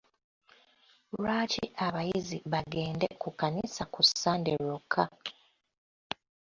Lwaki abayizi bagende ku kkanisa ku Sande lwokka?